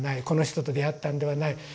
この人と出会ったのではない。